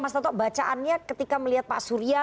mas toto bacaannya ketika melihat pak surya